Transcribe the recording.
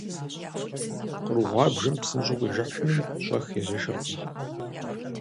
Къру гъуабжэм псынщӀэу къижыхьми, щӀэх езэшыркъым.